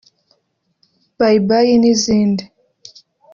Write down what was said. ‘Bye Bye’ n’izindi